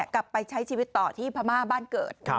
กลับไปใช้ชีวิตต่อที่พม่าบ้านเกิด